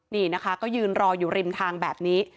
นี่นะคะก็ยืนรออยู่ริมทางแบบนี้